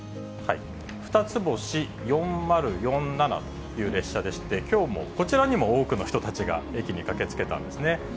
ふたつ星４０４７という列車でして、きょうも、こちらにも多くの人たちが駅に駆けつけたんですね。